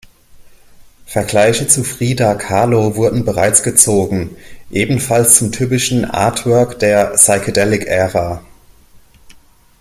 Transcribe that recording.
Vergleiche zu Frieda Kahlo wurden bereits gezogen, ebenfalls zum typischen Artwork der Psychedelic-Ära.